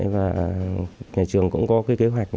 và nhà trường cũng có kế hoạch